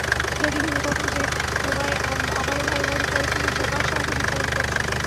যদি ভেবে থাকো যে তোমায় আবারও ভালোবাসব তবে তুমি বোকার স্বর্গে বিচরণ করছ!